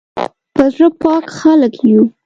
په زړه پاک خلک یو